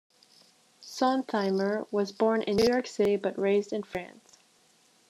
Sontheimer was born in New York City but raised in France.